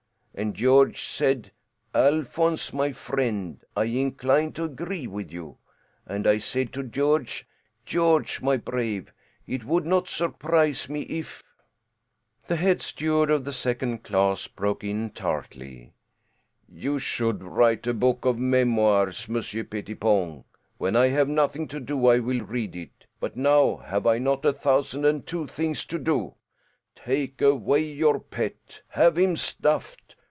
And Georges said, 'Alphonse, my friend, I incline to agree with you.' And I said to Georges, 'Georges, my brave, it would not surprise me if '" The head steward of the second class broke in tartly: "You should write a book of memoirs, Monsieur Pettipon. When I have nothing to do I will read it. But now have I not a thousand and two things to do? Take away your pet. Have him stuffed.